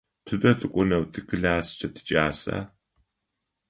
Тыдэ тыкӏонэу тикласскӏэ тикӏаса?